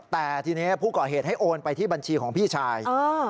แต่ทีนี้ผู้ก่อเหตุให้โอนไปที่บัญชีของพี่ชาย